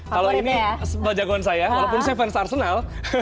kalau ini sebagian saya walaupun saya fans arsenal